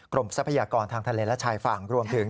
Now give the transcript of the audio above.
ทรัพยากรทางทะเลและชายฝั่งรวมถึง